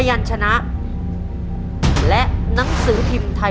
คุณยายแจ้วเลือกตอบจังหวัดนครราชสีมานะครับ